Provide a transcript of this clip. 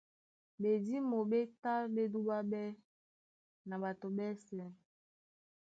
Ɓedímo ɓé tá ɓé dúɓáɓɛ́ na ɓato ɓɛ́sɛ̄.